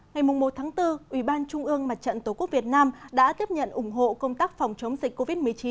ngày một bốn ủy ban trung ương mặt trận tổ quốc việt nam đã tiếp nhận ủng hộ công tác phòng chống dịch covid một mươi chín